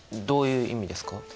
どういう意味ですか？